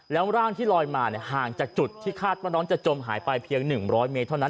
แล้วร่างที่ลอยมาห่างจากจุดที่คาดว่าน้องจะจมหายไปเพียง๑๐๐เมตรเท่านั้น